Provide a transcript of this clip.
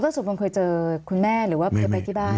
สุดมันเคยเจอคุณแม่หรือว่าเคยไปที่บ้าน